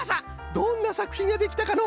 どんなさくひんができたかの？